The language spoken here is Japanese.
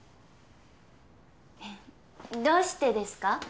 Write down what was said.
どうしてですか？